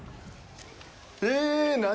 え、何？